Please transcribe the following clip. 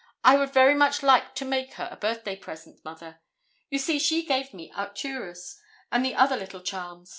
I would very much like to make her a birthday present, Mother. You see she gave me Arcturus and the other little charms.